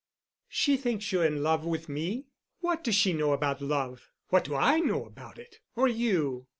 "She thinks you're in love with me? What does she know about love? What do I know about it? or you?